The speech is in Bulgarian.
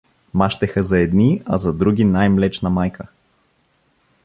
Мащеха за едни, а за други най-млечна майка.